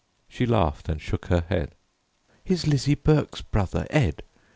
She laughed and shook her head. "He's Lizzie Burke's brother, Ed.